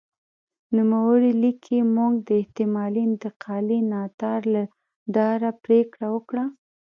نوموړی لیکي موږ د احتمالي انتقالي ناتار له ډاره پرېکړه وکړه.